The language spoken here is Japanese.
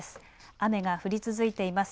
雨が降り続いています。